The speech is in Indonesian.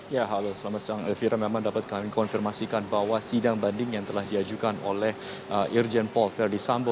ya halo selamat siang elvira memang dapat kami konfirmasikan bahwa sidang banding yang telah diajukan oleh irjen paul verdi sambo